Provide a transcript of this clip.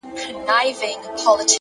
لوړ ارمانونه ستر عملونه غواړي,